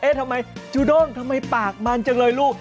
ทำไมจูด้งทำไมปากมันจังเลยลูก